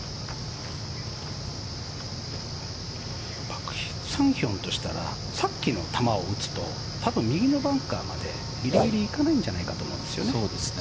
パク・サンヒョンとしたらさっきの球を打つと多分、右のバンカーまで意外に行かないんじゃないかと思うんですね。